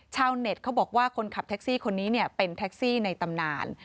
เน็ตเขาบอกว่าคนขับแท็กซี่คนนี้เป็นแท็กซี่ในตำนาน